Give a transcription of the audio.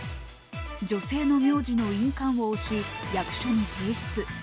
女性の名字の印鑑を押し役所に提出。